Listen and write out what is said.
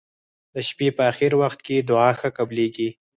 د شپي په اخرې وخت کې دعا ښه قبلیږی.